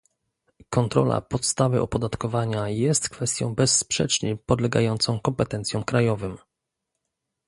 Kontrola podstawy opodatkowania jest kwestią bezsprzecznie podlegającą kompetencjom krajowym